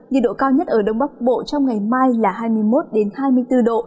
nhiệt độ cao nhất ở đông bắc bộ trong ngày mai là hai mươi một hai mươi bốn độ